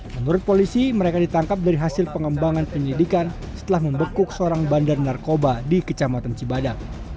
menurut polisi mereka ditangkap dari hasil pengembangan penyelidikan setelah membekuk seorang bandar narkoba di kecamatan cibadak